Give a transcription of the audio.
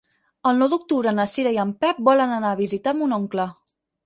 El nou d'octubre na Cira i en Pep volen anar a visitar mon oncle.